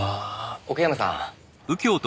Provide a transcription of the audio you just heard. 奥山さん。